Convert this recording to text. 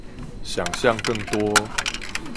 想像更多